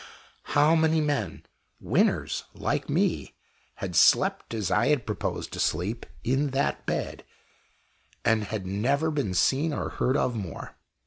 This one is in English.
How many men, winners like me, had slept, as I had proposed to sleep, in that bed, and had never been seen or heard of more!